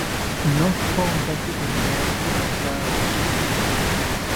Nojonkaki iñaaki nokawoshitya